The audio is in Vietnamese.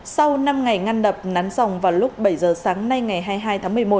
sau năm ngày ngăn đập nắn dòng vào lúc bảy giờ sáng nay ngày hai mươi hai tháng một mươi một